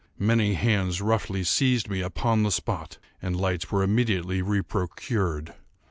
Many hands roughly seized me upon the spot, and lights were immediately reprocured.